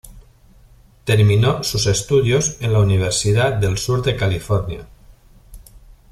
Terminó sus estudios en la Universidad del Sur de California.